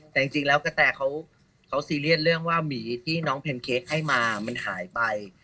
แต่จริงแล้วกระแตเขาซีเรียสเรื่องว่าหมีที่น้องแพนเค้กให้มามันหายไป